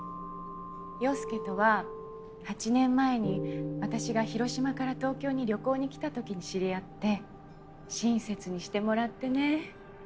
陽佑とは８年前に私が広島から東京に旅行に来たときに知り合って親切にしてもらってね。